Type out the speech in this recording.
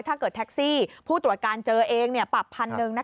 ถ้าเกิดแท็กซี่ผู้ตรวจการเจอเองปรับ๑๐๐๐บาท